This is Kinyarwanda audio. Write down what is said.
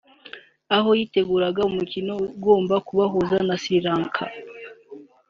aho yiteguraga umukino igomba kuzakina na Sri Lanka